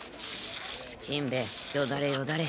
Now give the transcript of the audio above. しんべヱよだれよだれ。